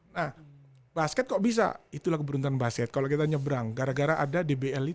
nah basket kok bisa itulah keberuntuhan basket kalau kita nyebrang gara gara ada dbl lima